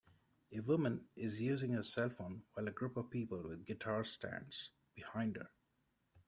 A woman is using her cellphone while a group of people with guitars stands behind her.